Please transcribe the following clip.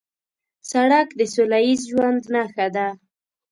سړک د سولهییز ژوند نښه ده.